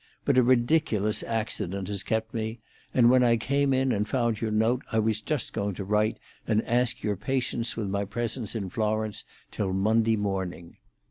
But a ridiculous accident has kept me, and when I came in and found your note I was just going to write and ask your patience with my presence in Florence till Monday morning.